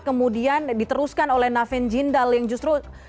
kemudian diteruskan oleh navin jindal yang justru